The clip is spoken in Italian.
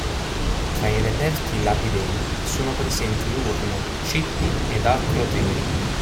Tra i reperti lapidei sono presenti urne, cippi ed acroteri.